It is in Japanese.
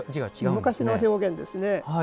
昔の表現ですね。